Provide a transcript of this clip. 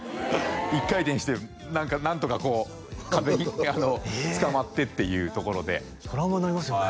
１回転して何とかこう壁につかまってっていうところでトラウマになりますよね